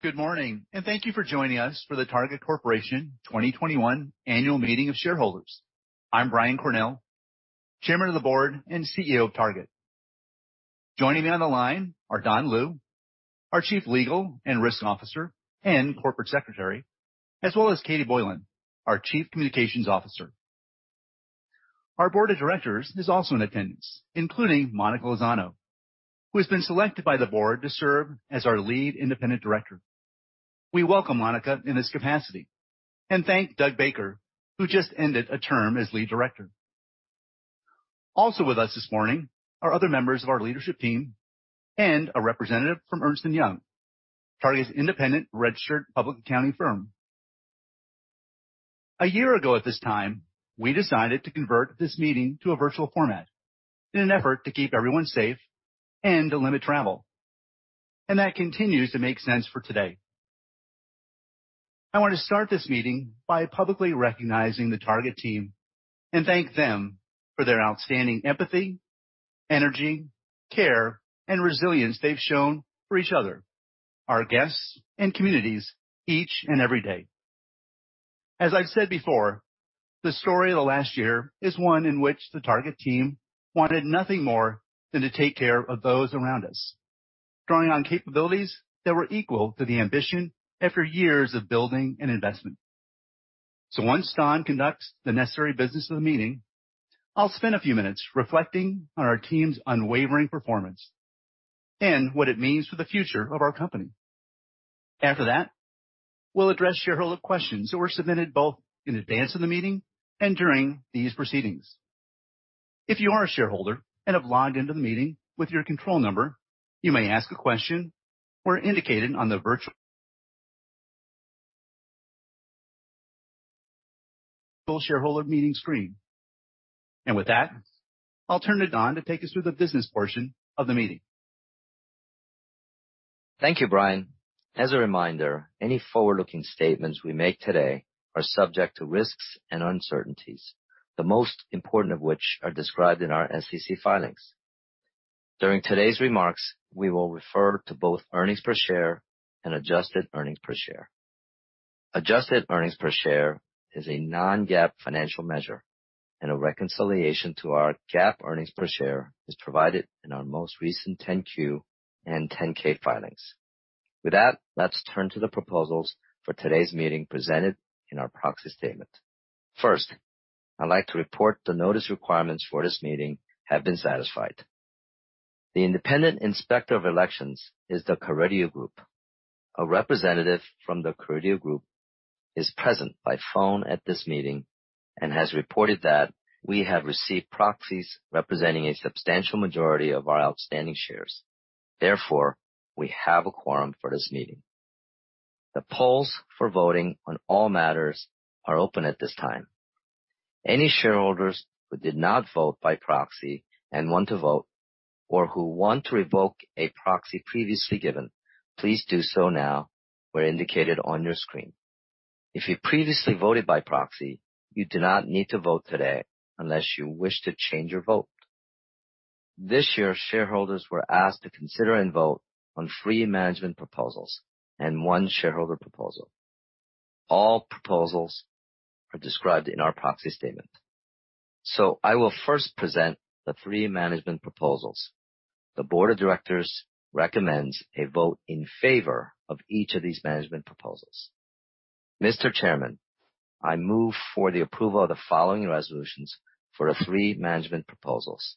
Good morning, and thank you for joining us for the Target Corporation 2021 annual meeting of shareholders. I'm Brian Cornell, Chairman of the Board and CEO of Target. Joining me on the line are Don Liu, our Chief Legal and Risk Officer and Corporate Secretary, as well as Katie Boylan, our Chief Communications Officer. Our Board of Directors is also in attendance, including Monica Lozano, who has been selected by the Board to serve as our Lead Independent Director. We welcome Monica in this capacity and thank Doug Baker, who just ended a term as Lead Director. Also with us this morning are other members of our leadership team and a representative from Ernst & Young, Target's independent registered public accounting firm. A year ago at this time, we decided to convert this meeting to a virtual format in an effort to keep everyone safe and to limit travel. That continues to make sense for today. I want to start this meeting by publicly recognizing the Target team and thank them for their outstanding empathy, energy, care, and resilience they've shown for each other, our guests, and communities each and every day. As I've said before, the story of the last year is one in which the Target team wanted nothing more than to take care of those around us, drawing on capabilities that were equal to the ambition after years of building an investment. Once Don conducts the necessary business of the meeting, I'll spend a few minutes reflecting on our team's unwavering performance and what it means for the future of our company. After that, we'll address shareholder questions that were submitted both in advance of the meeting and during these proceedings. If you are a shareholder and have logged into the meeting with your control number, you may ask a question where indicated on the virtual shareholder meeting screen. With that, I'll turn to Don to take us through the business portion of the meeting. Thank you, Brian. As a reminder, any forward-looking statements we make today are subject to risks and uncertainties, the most important of which are described in our SEC filings. During today's remarks, we will refer to both earnings per share and adjusted earnings per share. Adjusted earnings per share is a non-GAAP financial measure, and a reconciliation to our GAAP earnings per share is provided in our most recent 10-Q and 10-K filings. With that, let's turn to the proposals for today's meeting presented in our proxy statement. First, I'd like to report the notice requirements for this meeting have been satisfied. The independent Inspector of Elections is the Carideo Group. A representative from the Carideo Group is present by phone at this meeting and has reported that we have received proxies representing a substantial majority of our outstanding shares. Therefore, we have a quorum for this meeting. The polls for voting on all matters are open at this time. Any shareholders who did not vote by proxy and want to vote or who want to revoke a proxy previously given, please do so now where indicated on your screen. If you previously voted by proxy, you do not need to vote today unless you wish to change your vote. This year, shareholders were asked to consider and vote on three management proposals and one shareholder proposal. All proposals are described in our proxy statement. I will first present the three management proposals. The board of directors recommends a vote in favor of each of these management proposals. Mr. Chairman, I move for the approval of the following resolutions for the three management proposals: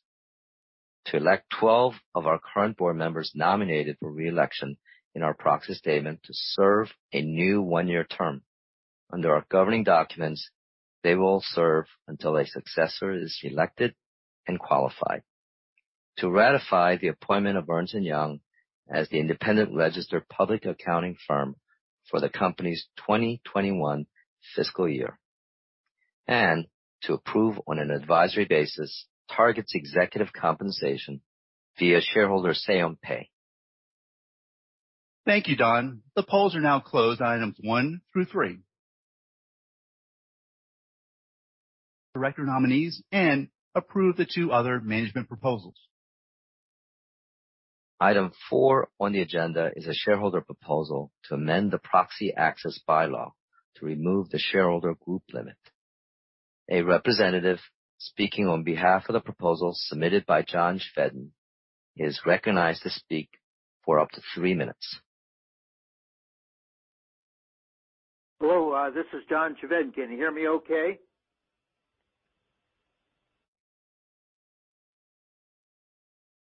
to elect 12 of our current Board members nominated for re-election in our proxy statement to serve a new one-year term. Under our governing documents, they will serve until a successor is elected and qualified. To ratify the appointment of Ernst & Young as the independent registered public accounting firm for the company's 2021 fiscal year. To approve on an advisory basis, Target's executive compensation via shareholder say on pay. Thank you, Don. The polls are now closed on Items 1 through 3. Director nominees and approve the two other management proposals. Item 4 on the agenda is a shareholder proposal to amend the proxy access bylaw to remove the shareholder group limit. A representative speaking on behalf of the proposal submitted by John Chevedden is recognized to speak for up to three minutes. Hello, this is John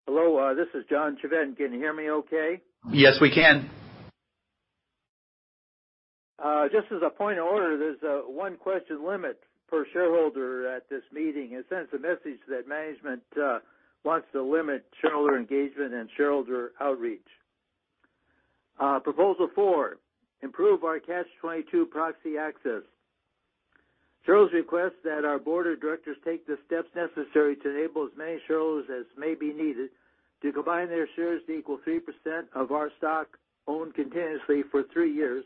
Chevedden. Can you hear me okay? Yes, we can. Just as a point of order, there's a one-question limit per shareholder at this meeting. It sends a message that management wants to limit shareholder engagement and shareholder outreach. Proposal 4, improve our Catch-22 proxy access. Shareholders request that our board of directors take the steps necessary to enable as many shareholders as may be needed to combine their shares to equal 3% of our stock owned continuously for three years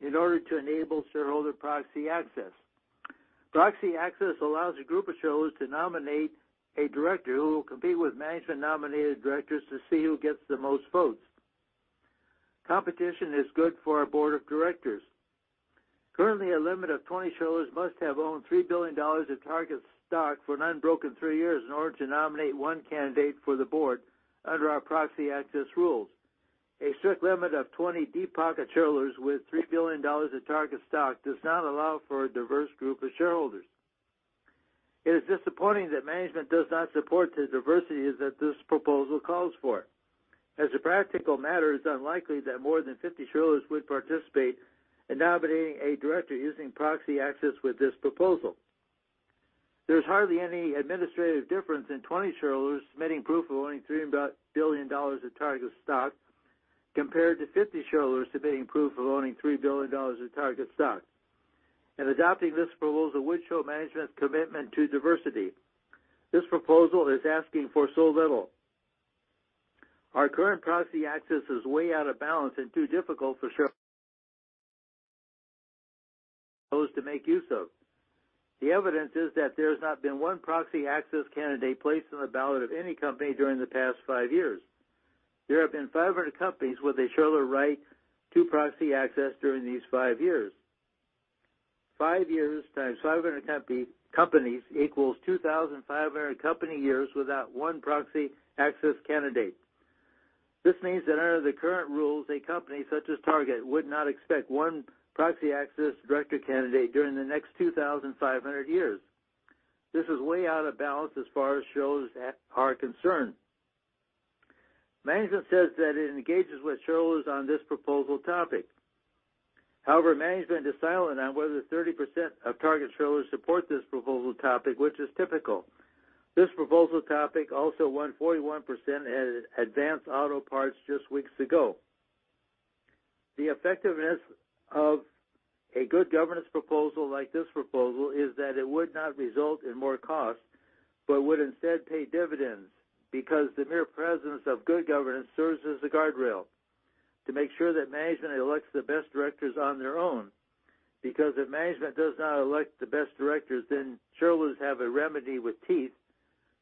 in order to enable shareholder proxy access. Proxy access allows a group of shareholders to nominate a Director who will compete with management-nominated Directors to see who gets the most votes. Competition is good for our Board of Directors. Currently, a limit of 20 shareholders must have owned $3 billion of Target stock for an unbroken three years in order to nominate one candidate for the Board under our proxy access rules. A strict limit of 20 deep-pocket shareholders with $3 billion of Target stock does not allow for a diverse group of shareholders. It is disappointing that management does not support the diversities that this proposal calls for. As a practical matter, it's unlikely that more than 50 shareholders would participate in nominating a Director using proxy access with this proposal. There's hardly any administrative difference in 20 shareholders submitting proof of owning $3 billion of Target stock compared to 50 shareholders submitting proof of owning $3 billion of Target stock. Adopting this proposal would show management's commitment to diversity. This proposal is asking for so little. Our current proxy access is way out of balance and too difficult for [shareholders] to make use of. The evidence is that there's not been one proxy access candidate placed on the ballot of any company during the past five years. There have been 500 companies with a shareholder right to proxy access during these five years. five years times 500 companies equals 2,500 company years without one proxy access candidate. This means that under the current rules, a company such as Target would not expect one proxy access director candidate during the next 2,500 years. This is way out of balance as far as shareholders are concerned. Management says that it engages with shareholders on this proposal topic. However, management is silent on whether 30% of Target shareholders support this proposal topic, which is typical. This proposal topic also won 41% at Advance Auto Parts just weeks ago. The effectiveness of a good governance proposal like this proposal is that it would not result in more cost, but would instead pay dividends because the mere presence of good governance serves as a guardrail to make sure that management elects the best Directors on their own. If management does not elect the best Directors, then shareholders have a remedy with teeth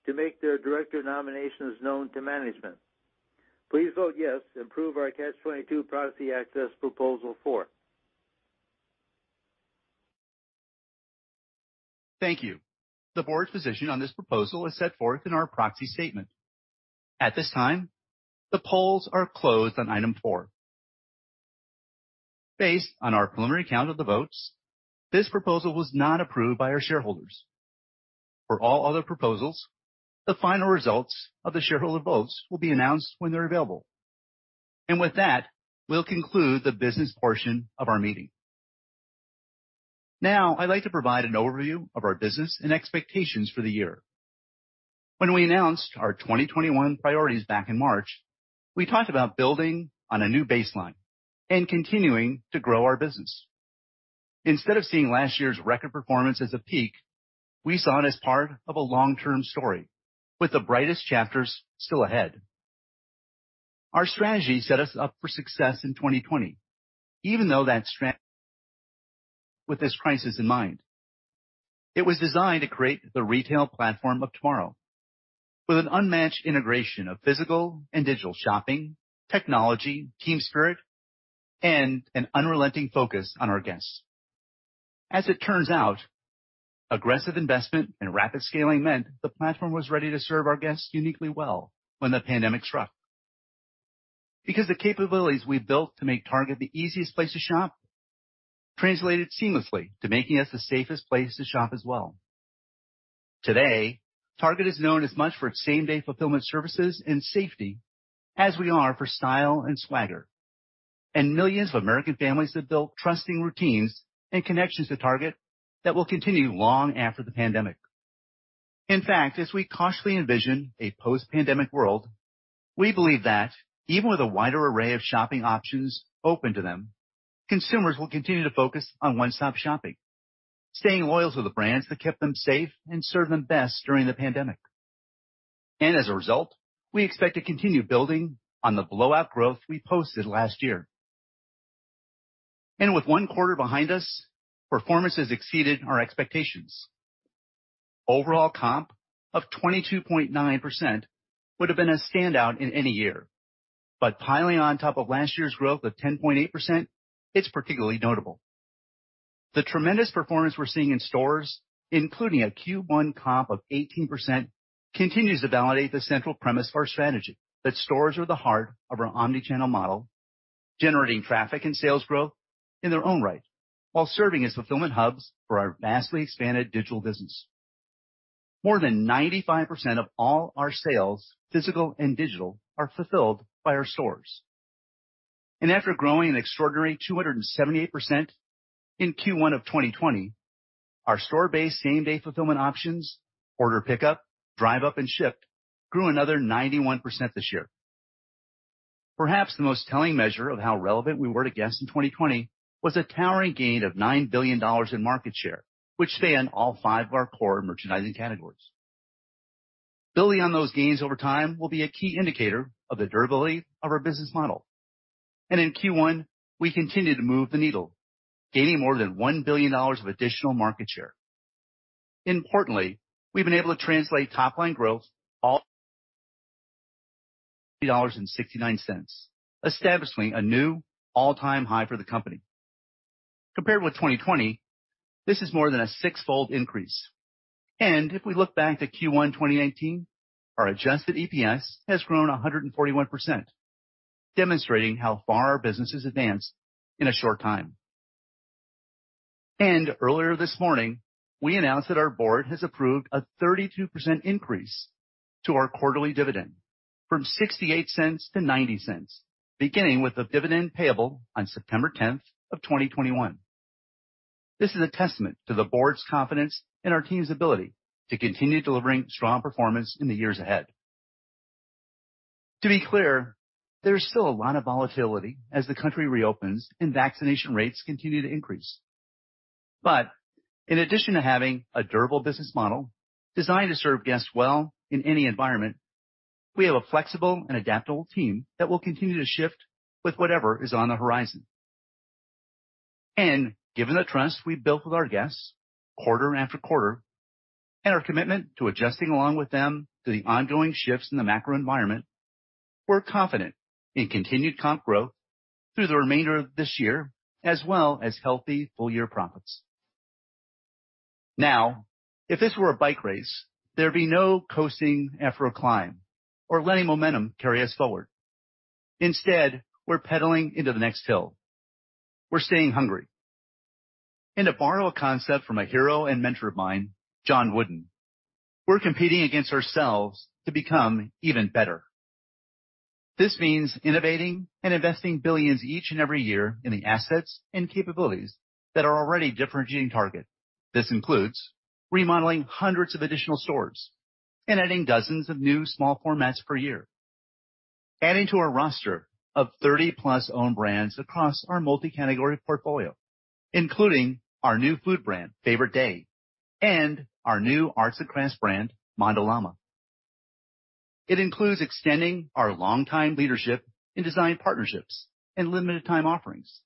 to make their Director nominations known to management. Please vote yes to improve our Catch-22 Proxy Access Proposal 4. Thank you. The board's position on this proposal is set forth in our proxy statement. At this time, the polls are closed on Item 4. Based on our preliminary count of the votes, this proposal was not approved by our shareholders. For all other proposals, the final results of the shareholder votes will be announced when they're available. With that, we'll conclude the business portion of our meeting. Now, I'd like to provide an overview of our business and expectations for the year. When we announced our 2021 priorities back in March, we talked about building on a new baseline and continuing to grow our business. Instead of seeing last year's record performance as a peak, we saw it as part of a long-term story with the brightest chapters still ahead. Our strategy set us up for success in 2020. It was designed to create the retail platform of tomorrow with an unmatched integration of physical and digital shopping, technology, team spirit, and an unrelenting focus on our guests. As it turns out, aggressive investment and rapid scaling meant the platform was ready to serve our guests uniquely well when the pandemic struck. Because the capabilities we built to make Target the easiest place to shop translated seamlessly to making us the safest place to shop as well. Today, Target is known as much for its same-day fulfillment services and safety as we are for style and swagger. Millions of American families have built trusting routines and connections to Target that will continue long after the pandemic. In fact, as we cautiously envision a post-pandemic world, we believe that even with a wider array of shopping options open to them, consumers will continue to focus on one-stop shopping, staying loyal to the brands that kept them safe and served them best during the pandemic. As a result, we expect to continue building on the blowout growth we posted last year. With one quarter behind us, performance has exceeded our expectations. Overall comp of 22.9% would have been a standout in any year. Piling on top of last year's growth of 10.8%, it's particularly notable. The tremendous performance we're seeing in stores, including a Q1 comp of 18%, continues to validate the central premise of our strategy that stores are the heart of our omnichannel model, generating traffic and sales growth in their own right while serving as fulfillment hubs for our vastly expanded digital business. More than 95% of all our sales, physical and digital, are fulfilled by our stores. After growing an extraordinary 278% in Q1 of 2020, our store-based same-day fulfillment options, Order Pickup, Drive Up, and Shipt, grew another 91% this year. Perhaps the most telling measure of how relevant we were to guests in 2020 was a towering gain of $9 billion in market share, which spanned all five of our core merchandising categories. Building on those gains over time will be a key indicator of the durability of our business model. In Q1, we continued to move the needle, gaining more than $1 billion of additional market share. Importantly, we've been able to translate top-line growth [$3.69], establishing a new all-time high for the company. Compared with 2020, this is more than a sixfold increase. If we look back to Q1 2019, our adjusted EPS has grown 141%, demonstrating how far our business has advanced in a short time. Earlier this morning, we announced that our board has approved a 32% increase to our quarterly dividend from $0.68 to $0.90, beginning with the dividend payable on September 10, 2021. This is a testament to the board's confidence in our team's ability to continue delivering strong performance in the years ahead. To be clear, there's still a lot of volatility as the country reopens and vaccination rates continue to increase. In addition to having a durable business model designed to serve guests well in any environment, we have a flexible and adaptable team that will continue to shift with whatever is on the horizon. Given the trust we've built with our guests quarter after quarter, and our commitment to adjusting along with them to the ongoing shifts in the macro environment, we're confident in continued comp growth through the remainder of this year, as well as healthy full-year profits. Now, if this were a bike race, there'd be no coasting after a climb or letting momentum carry us forward. Instead, we're pedaling into the next hill. We're staying hungry. To borrow a concept from a hero and mentor of mine, John Wooden, we're competing against ourselves to become even better. This means innovating and investing billions each and every year in the assets and capabilities that are already differentiating Target. This includes remodeling hundreds of additional stores and adding dozens of new small formats per year, adding to our roster of 30+ own brands across our multi-category portfolio, including our new food brand, Favorite Day, and our new arts and crafts brand, Mondo Llama. It includes extending our longtime leadership in design partnerships and limited time offerings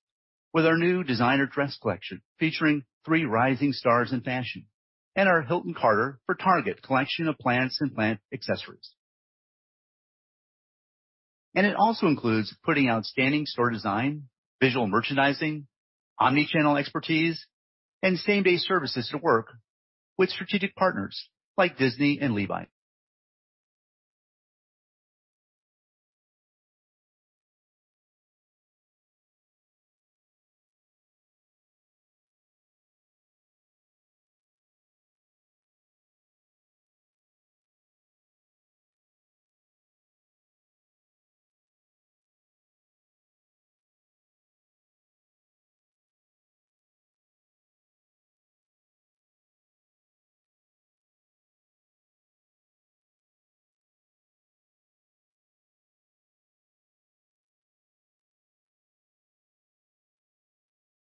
with our new designer dress collection featuring three rising stars in fashion and our Hilton Carter for Target collection of plants and plant accessories. It also includes putting outstanding store design, visual merchandising, omnichannel expertise, and same-day services to work with strategic partners like Disney and Levi's.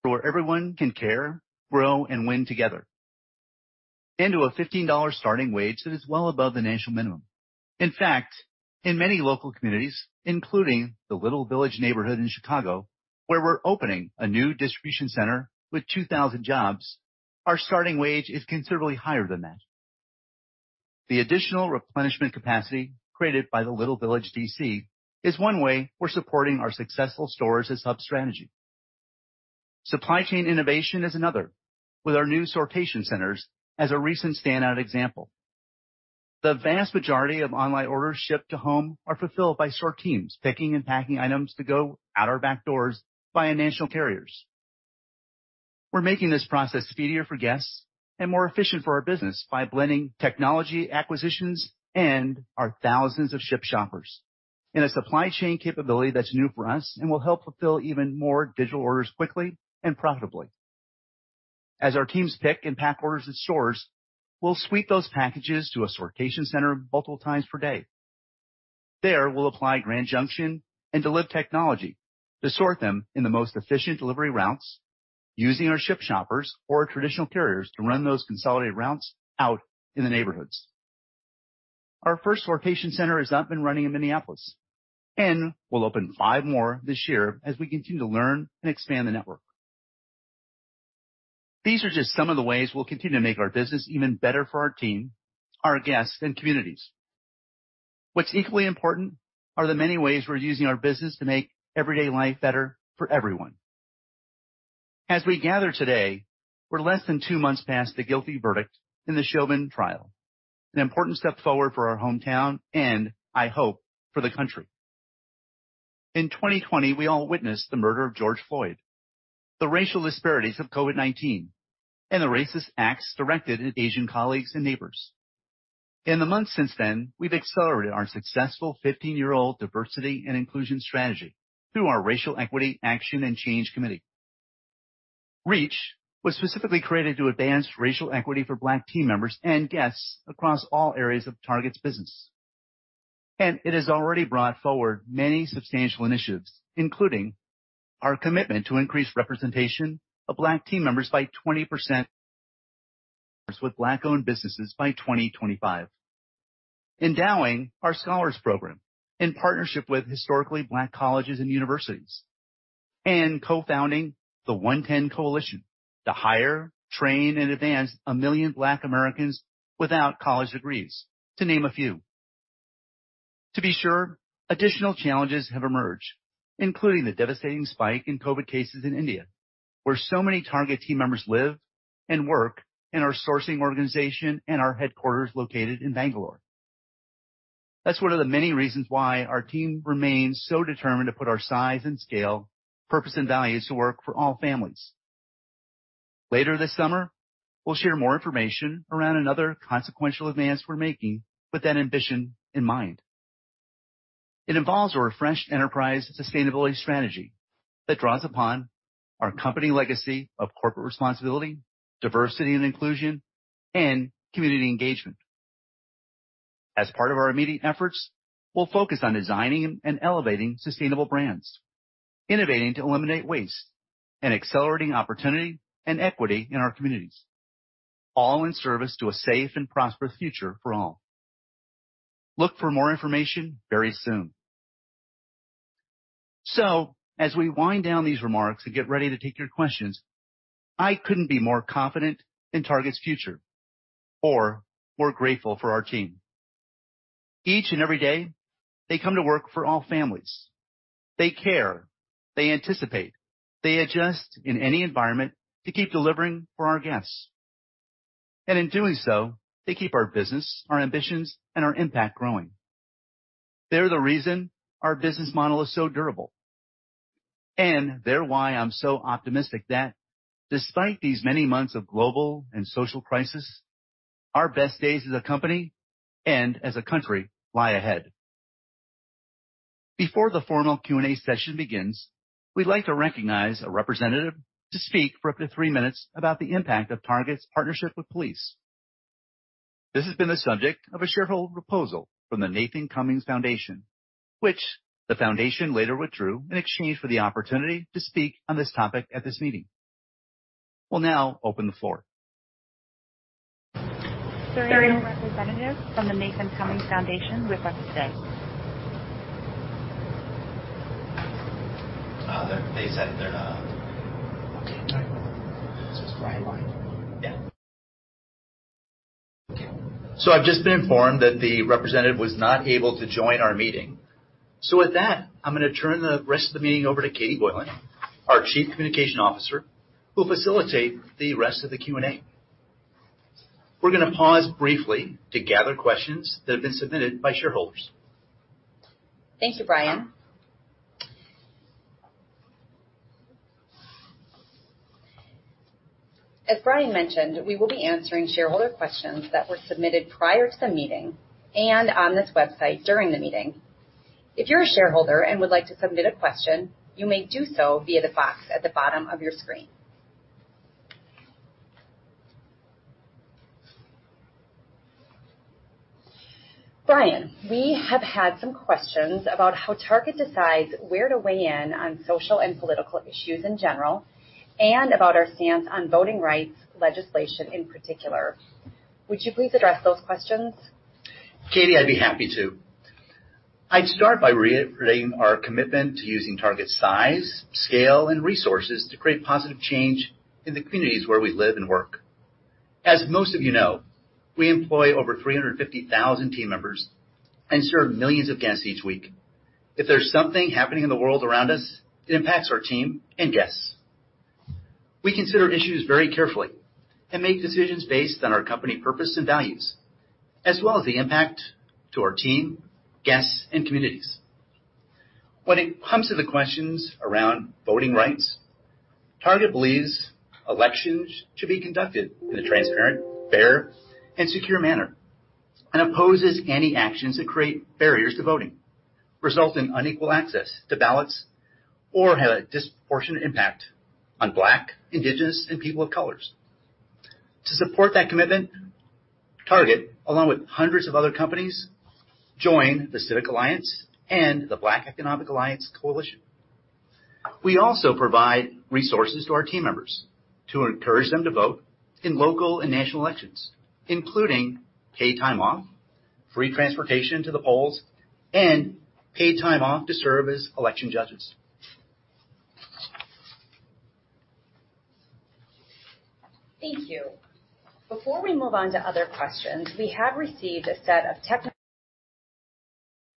Where everyone can care, grow, and win together into a $15 starting wage that is well above the national minimum. In fact, in many local communities, including the Little Village neighborhood in Chicago, where we're opening a new distribution center with 2,000 jobs, our starting wage is considerably higher than that. The additional replenishment capacity created by the Little Village DC is one way we're supporting our successful stores as hub strategy. Supply chain innovation is another, with our new sortation centers as a recent standout example. The vast majority of online orders shipped to home are fulfilled by sort teams picking and packing items to go out our back doors by national carriers. We're making this process easier for guests and more efficient for our business by blending technology acquisitions and our thousands of Shipt shoppers in a supply chain capability that's new for us and will help fulfill even more digital orders quickly and profitably. As our teams pick and pack orders at stores, we'll sweep those packages to a sortation center multiple times per day. There, we'll apply Grand Junction and Deliv technology to sort them in the most efficient delivery routes using our Shipt shoppers or traditional carriers to run those consolidated routes out in the neighborhoods. Our first sortation center is up and running in Minneapolis, and we'll open five more this year as we continue to learn and expand the network. These are just some of the ways we'll continue to make our business even better for our team, our guests, and communities. What's equally important are the many ways we're using our business to make everyday life better for everyone. As we gather today, we're less than two months past the guilty verdict in the Chauvin trial, an important step forward for our hometown and, I hope, for the country. In 2020, we all witnessed the murder of George Floyd, the racial disparities of COVID-19, and the racist acts directed at Asian colleagues and neighbors. In the months since then, we've accelerated our successful 15-year-old diversity and inclusion strategy through our Racial Equity Action and Change Committee. REACH was specifically created to advance racial equity for Black team members and guests across all areas of Target's business. It has already brought forward many substantial initiatives, including our commitment to increase representation of Black team members by 20% with Black-owned businesses by 2025, endowing our scholars program in partnership with historically Black colleges and universities, and co-founding the OneTen Coalition to hire, train, and advance 1 million Black Americans without college degrees, to name a few. To be sure, additional challenges have emerged, including the devastating spike in COVID cases in India, where so many Target team members live and work in our sourcing organization and our headquarters located in Bangalore. That's one of the many reasons why our team remains so determined to put our size and scale, purpose, and values to work for all families. Later this summer, we'll share more information around another consequential advance we're making with that ambition in mind. It involves a refreshed enterprise sustainability strategy that draws upon our company legacy of corporate responsibility, diversity and inclusion, and community engagement. As part of our immediate efforts, we'll focus on designing and elevating sustainable brands, innovating to eliminate waste, and accelerating opportunity and equity in our communities, all in service to a safe and prosperous future for all. Look for more information very soon. As we wind down these remarks and get ready to take your questions, I couldn't be more confident in Target's future or more grateful for our team. Each and every day, they come to work for all families. They care, they anticipate, they adjust in any environment to keep delivering for our guests. In doing so, they keep our business, our ambitions, and our impact growing. They're the reason our business model is so durable, and they're why I'm so optimistic that despite these many months of global and social crisis, our best days as a company and as a country lie ahead. Before the formal Q&A session begins, we'd like to recognize a representative to speak for up to three minutes about the impact of Target's partnership with police. This has been the subject of a shareholder proposal from The Nathan Cummings Foundation, which the foundation later withdrew in exchange for the opportunity to speak on this topic at this meeting. We'll now open the floor. Sir, there are no representatives from The Nathan Cummings Foundation with us today. Yeah. I've just been informed that the representative was not able to join our meeting. With that, I'm going to turn the rest of the meeting over to Katie Boylan, our Chief Communication Officer, who will facilitate the rest of the Q&A. We're going to pause briefly to gather questions that have been submitted by shareholders. Thank you, Brian. As Brian mentioned, we will be answering shareholder questions that were submitted prior to the meeting and on this website during the meeting. If you are a shareholder and would like to submit a question, you may do so via the box at the bottom of your screen. Brian, we have had some questions about how Target decides where to weigh in on social and political issues in general, and about our stance on voting rights legislation in particular. Would you please address those questions? Katie, I'd be happy to. I'd start by reiterating our commitment to using Target's size, scale, and resources to create positive change in the communities where we live and work. As most of you know, we employ over 350,000 team members and serve millions of guests each week. If there's something happening in the world around us, it impacts our team and guests. We consider issues very carefully and make decisions based on our company purpose and values, as well as the impact to our team, guests, and communities. When it comes to the questions around voting rights, Target believes elections should be conducted in a transparent, fair, and secure manner and opposes any actions that create barriers to voting, result in unequal access to ballots, or have a disproportionate impact on Black, Indigenous, and people of color. To support that commitment, Target, along with hundreds of other companies, joined the Civic Alliance and the Black Economic Alliance Coalition. We also provide resources to our team members to encourage them to vote in local and national elections, including paid time off, free transportation to the polls, and paid time off to serve as election judges. Thank you. Before we move on to other questions, we have received a set of technical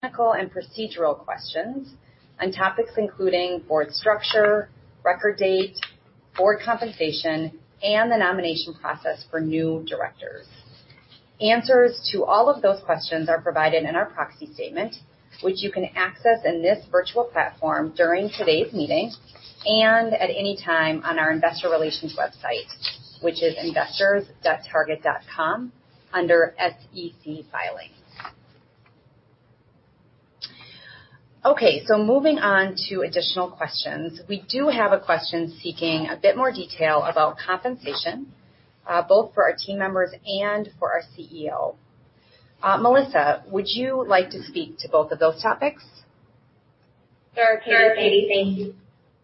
and procedural questions on topics including board structure, record date, board compensation, and the nomination process for new Directors. Answers to all of those questions are provided in our proxy statement, which you can access in this virtual platform during today's meeting and at any time on our investor relations website, which is investors.target.com under SEC filings. Moving on to additional questions. We do have a question seeking a bit more detail about compensation, both for our team members and for our CEO. Melissa, would you like to speak to both of those topics? Sure, Katie. Thanks.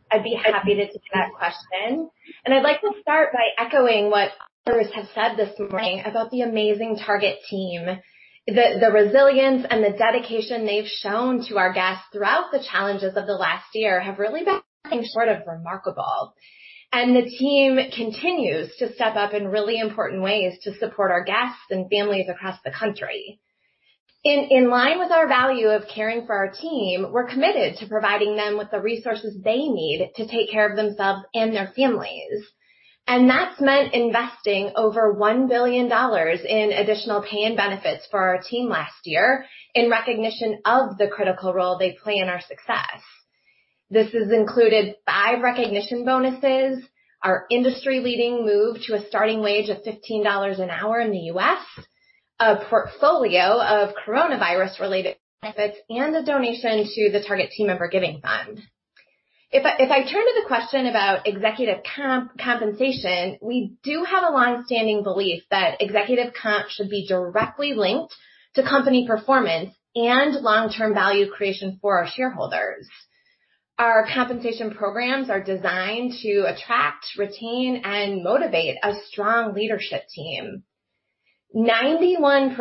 I'd be happy to take that question. I'd like to start by echoing what others have said this morning about the amazing Target team. The resilience and the dedication they've shown to our guests throughout the challenges of the last year have really been nothing short of remarkable. The team continues to step up in really important ways to support our guests and families across the country. In line with our value of caring for our team, we're committed to providing them with the resources they need to take care of themselves and their families. That's meant investing over $1 billion in additional pay and benefits for our team last year in recognition of the critical role they play in our success. This has included five recognition bonuses, our industry-leading move to a starting wage of $15 an hour in the U.S., a portfolio of coronavirus-related benefits, and a donation to the Target Team Member Giving Fund. If I turn to the question about executive compensation, we do have a longstanding belief that executive comp should be directly linked to company performance and long-term value creation for our shareholders. Our compensation programs are designed to attract, retain, and motivate a strong leadership team. 91%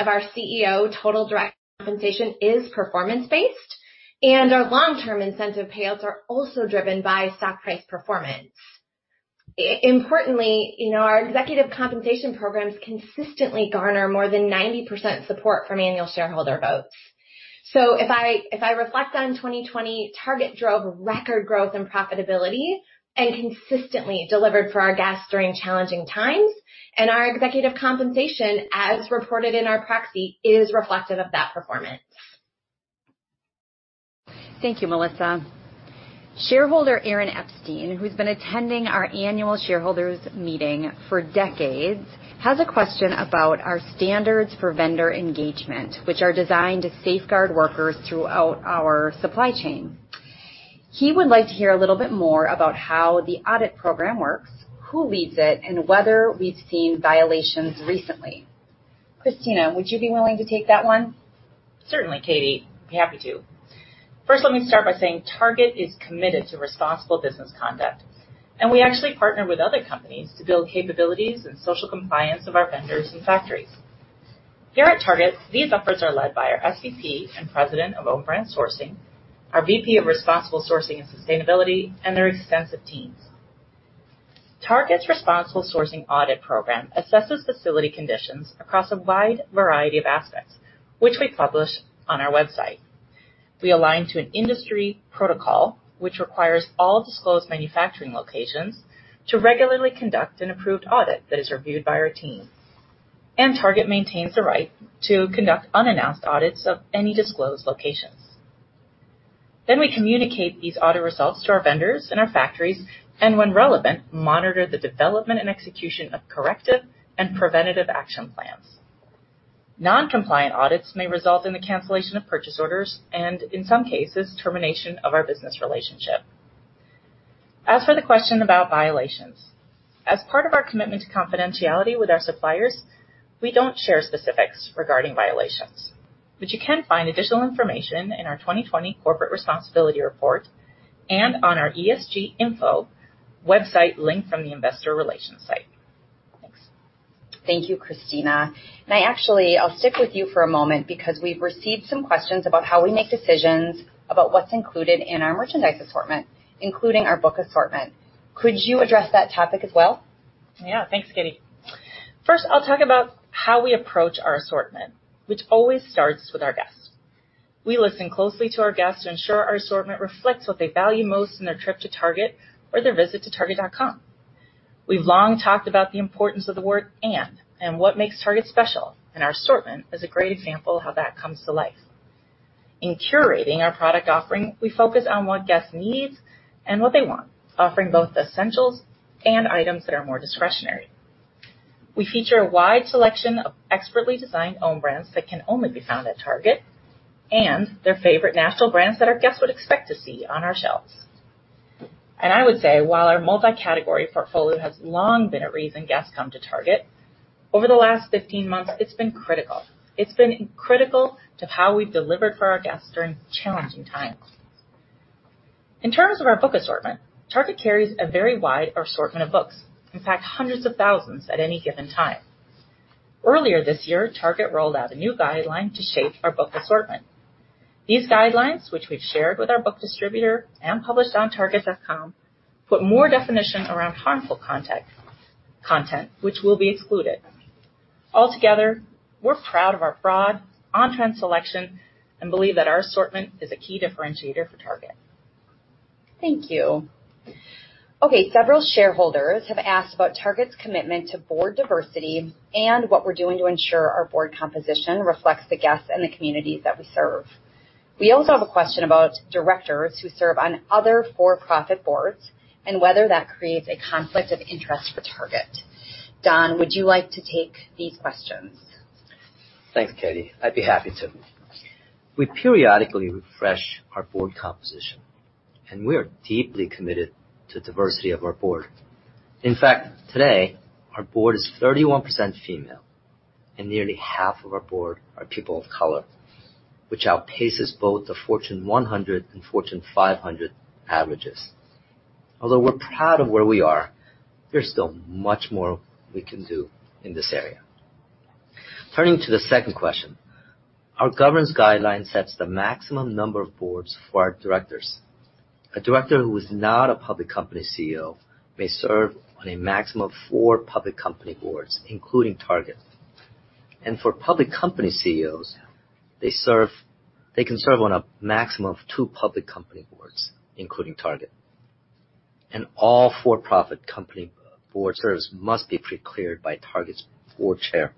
of our CEO total direct compensation is performance-based, and our long-term incentive payouts are also driven by stock price performance. Importantly, our executive compensation programs consistently garner more than 90% support from annual shareholder votes. If I reflect on 2020, Target drove record growth and profitability and consistently delivered for our guests during challenging times. Our executive compensation, as reported in our proxy, is reflective of that performance. Thank you, Melissa. Shareholder Aaron Epstein, who's been attending our annual shareholders meeting for decades, has a question about our standards for vendor engagement, which are designed to safeguard workers throughout our supply chain. He would like to hear a little bit more about how the audit program works, who leads it, and whether we've seen violations recently. Christina, would you be willing to take that one? Certainly, Katie. Happy to. Let me start by saying Target is committed to responsible business conduct, and we actually partner with other companies to build capabilities and social compliance of our vendors and factories. Here at Target, these efforts are led by our SVP and president of own brand sourcing, our VP of responsible sourcing and sustainability, and their extensive teams. Target's responsible sourcing audit program assesses facility conditions across a wide variety of assets, which we publish on our website. We align to an industry protocol which requires all disclosed manufacturing locations to regularly conduct an approved audit that is reviewed by our team. Target maintains the right to conduct unannounced audits of any disclosed locations. We communicate these audit results to our vendors and our factories, and when relevant, monitor the development and execution of corrective and preventative action plans. Non-compliant audits may result in the cancellation of purchase orders and, in some cases, termination of our business relationship. As for the question about violations, as part of our commitment to confidentiality with our suppliers, we don't share specifics regarding violations. You can find additional information in our 2020 Corporate Responsibility Report and on our ESG info website linked from the investor relations site. Thanks. Thank you, Christina. Actually, I'll stick with you for a moment because we've received some questions about how we make decisions about what's included in our merchandise assortment, including our book assortment. Could you address that topic as well? Yeah. Thanks, Katie. First, I'll talk about how we approach our assortment, which always starts with our guests. We listen closely to our guests to ensure our assortment reflects what they value most in their trip to Target or their visit to target.com. We've long talked about the importance of the word "and" and what makes Target special. Our assortment is a great example of how that comes to life. In curating our product offering, we focus on what guests need and what they want, offering both essentials and items that are more discretionary. We feature a wide selection of expertly designed own brands that can only be found at Target and their favorite national brands that our guests would expect to see on our shelves. I would say while our multi-category portfolio has long been a reason guests come to Target, over the last 15 months, it's been critical. It's been critical to how we've delivered for our guests during challenging times. In terms of our book assortment, Target carries a very wide assortment of books. In fact, hundreds of thousands at any given time. Earlier this year, Target rolled out a new guideline to shape our book assortment. These guidelines, which we've shared with our book distributor and published on target.com, put more definition around harmful content, content which will be excluded. Altogether, we're proud of our broad on-hand selection and believe that our assortment is a key differentiator for Target. Thank you. Okay, several shareholders have asked about Target's commitment to board diversity and what we're doing to ensure our board composition reflects the guests and the communities that we serve. We also have a question about Directors who serve on other for-profit boards and whether that creates a conflict of interest for Target. Don, would you like to take these questions? Thanks, Katie. I'd be happy to. We periodically refresh our board composition, and we are deeply committed to diversity of our board. In fact, today, our board is 31% female, and nearly half of our board are people of color, which outpaces both the Fortune 100 and Fortune 500 averages. Although we're proud of where we are, there's still much more we can do in this area. Turning to the second question, our governance guideline sets the maximum number of boards for our directors. A director who is not a public company CEO may serve on a maximum of four public company boards, including Target. For public company CEOs, they can serve on a maximum of two public company boards, including Target. All for-profit company board service must be pre-cleared by Target's Board Chair.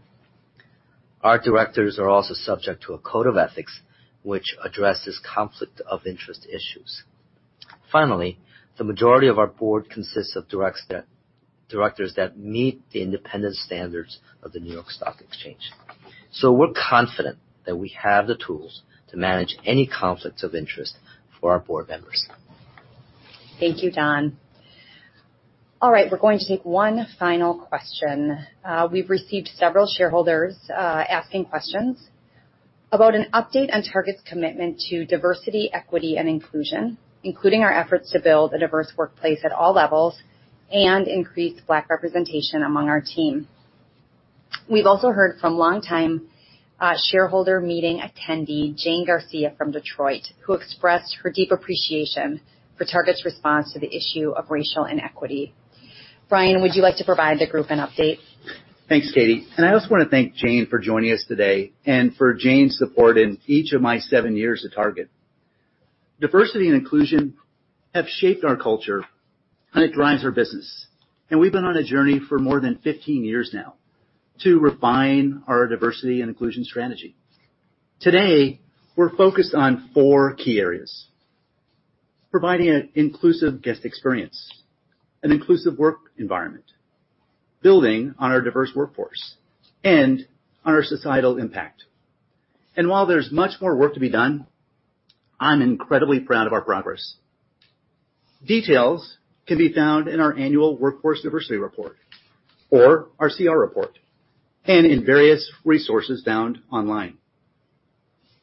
Our directors are also subject to a code of ethics which addresses conflict of interest issues. Finally, the majority of our Board consists of Directors that meet the independence standards of the New York Stock Exchange. We're confident that we have the tools to manage any conflicts of interest for our board members. Thank you, Don. All right. We're going to take one final question. We've received several shareholders asking questions about an update on Target's commitment to diversity, equity, and inclusion, including our efforts to build a diverse workplace at all levels and increase Black representation among our team. We've also heard from longtime shareholder meeting attendee, Jane Garcia from Detroit, who expressed her deep appreciation for Target's response to the issue of racial inequity. Brian, would you like to provide the group an update? Thanks, Katie. I also want to thank Jane for joining us today and for Jane's support in each of my seven years at Target. Diversity and inclusion have shaped our culture. It drives our business. We've been on a journey for more than 15 years now to refine our diversity and inclusion strategy. Today, we're focused on four key areas: providing an inclusive guest experience, an inclusive work environment, building on our diverse workforce, and on our societal impact. While there's much more work to be done, I'm incredibly proud of our progress. Details can be found in our annual Workforce Diversity Report or our CR report, in various resources found online.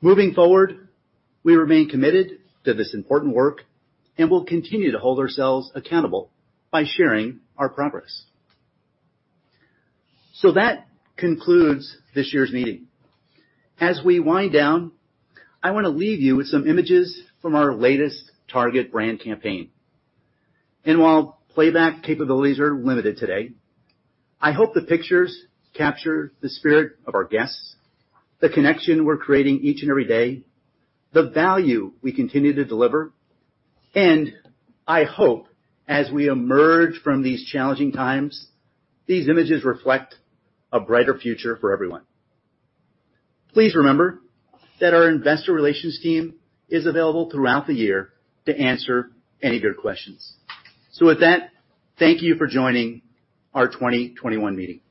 Moving forward, we remain committed to this important work and will continue to hold ourselves accountable by sharing our progress. That concludes this year's meeting. As we wind down, I want to leave you with some images from our latest Target brand campaign. While playback capabilities are limited today, I hope the pictures capture the spirit of our guests, the connection we're creating each and every day, the value we continue to deliver, and I hope as we emerge from these challenging times, these images reflect a brighter future for everyone. Please remember that our investor relations team is available throughout the year to answer any of your questions. With that, thank you for joining our 2021 meeting.